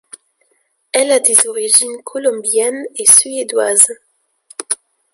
Elle a des origines colombiennes et suédoises.